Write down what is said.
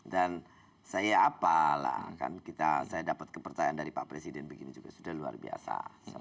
dan saya apalah kan kita saya dapat kepertayaan dari pak presiden begini juga sudah luar biasa